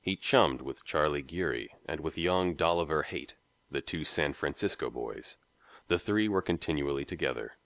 He chummed with Charlie Geary and with young Dolliver Haight, the two San Francisco boys. The three were continually together.